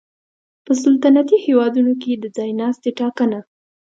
په سلطنتي هېوادونو کې د ځای ناستي ټاکنه